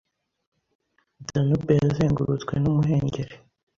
Danube yazengurutswe numuhengeri